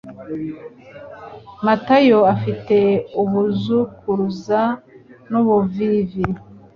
Matayo afite abuzukuruza n'ubuvivi,